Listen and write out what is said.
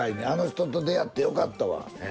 あの人と出会ってよかったわ。